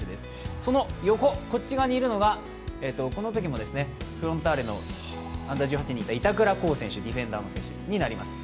その横にいるのが、このときもフロンターレのＵー１８にいた板倉滉選手、ディフェンダーの選手になります。